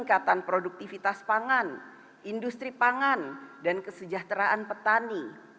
peningkatan produktivitas pangan industri pangan dan kesejahteraan petani